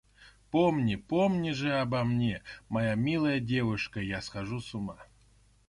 Помни, помни же обо мне, моя милая девушка: я схожу с ума.